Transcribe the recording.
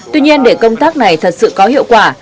tuy nhiên để công tác này thật sự có hiệu quả